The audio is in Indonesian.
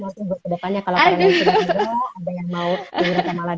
mau sebut kedepannya kalau kalian yang sudah jual